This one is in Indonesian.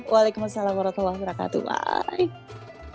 waalaikumsalam warahmatullahi wabarakatuh bye